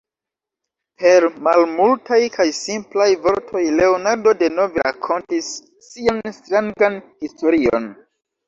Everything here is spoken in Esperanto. Per malmultaj kaj simplaj vortoj Leonardo denove rakontis sian strangan historion.